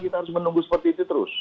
kita harus menunggu seperti itu terus